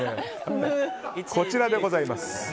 こちらでございます。